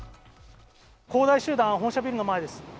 恒大集団本社ビルの前です。